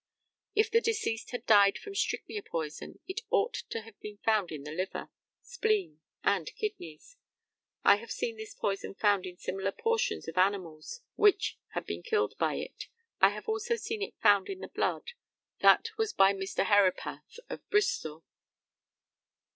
If the deceased had died from strychnia poison, it ought to have been found in the liver, spleen, and kidneys. I have seen this poison found in similar portions of animals which had been killed by it. I have also seen it found in the blood; that was by Mr. Herepath, of Bristol.